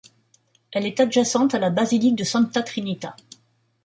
Elle est adjacente à la basilique de Santa Trinita.